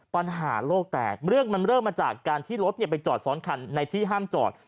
ปัญหาโลกแตกเรื่องมันเริ่มมาจากการที่รถไปจอดซ้อนคันในที่ห้ามจอด